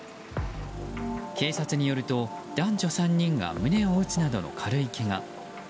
警察によると男女３人が胸を打つなどの軽いけが。